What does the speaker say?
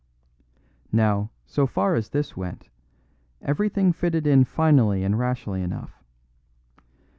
Now, so far as this went, everything fitted in finally and rationally enough.